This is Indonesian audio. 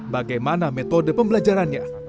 bagaimana metode pembelajarannya